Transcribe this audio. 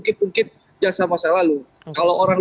oke nanti kita undang kita tanya ke pak sandi